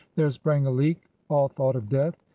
There sprang a leak; all thought of death.